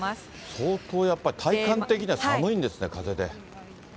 相当やっぱり体感的には寒いんですね、風で。